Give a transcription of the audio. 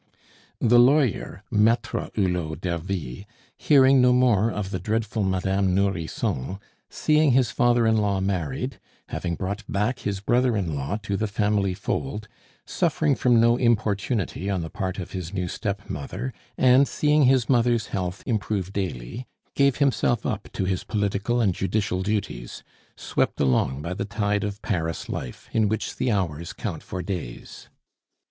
The lawyer, Maitre Hulot d'Ervy, hearing no more of the dreadful Madame Nourrisson, seeing his father in law married, having brought back his brother in law to the family fold, suffering from no importunity on the part of his new stepmother, and seeing his mother's health improve daily, gave himself up to his political and judicial duties, swept along by the tide of Paris life, in which the hours count for days.